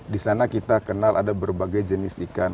di sana kita kenal ada berbagai jenis ikan